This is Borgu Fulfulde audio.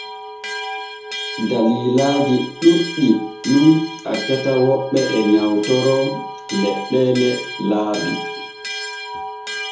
Dallillaaji ɗuuɗɗi nun accata woɓɓe e nyawtoro leɗɗeele laabi.